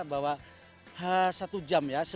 bahwa satu jam ya